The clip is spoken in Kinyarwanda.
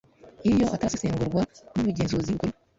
Iyo atarasesengurwa n ,ubugenzuzi Bukuru